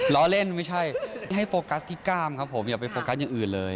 ล้อเล่นไม่ใช่ให้โฟกัสที่กล้ามครับผมอย่าไปโฟกัสอย่างอื่นเลย